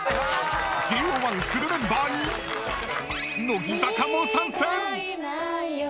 ＪＯ１フルメンバーに乃木坂も参戦。